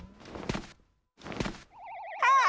あ！